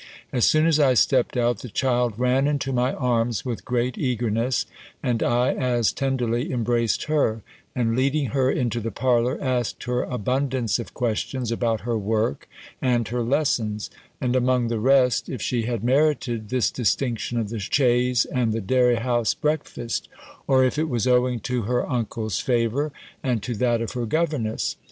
As soon as I stepped out, the child ran into my arms with great eagerness, and I as tenderly embraced her, and leading her into the parlour, asked her abundance of questions about her work, and her lessons; and among the rest if she had merited this distinction of the chaise and dairy house breakfast, or if it was owing to her uncle's favour, and to that of her governess?